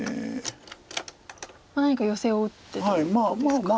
何かヨセを打ってということですか。